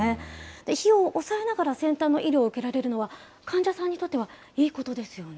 費用を抑えながら、先端の医療を受けられるのは、患者さんにとってはいいことですよね。